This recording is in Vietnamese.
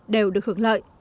đều được hưởng lợi